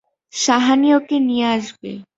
সাহানী ওকে নিয়ে আসবে।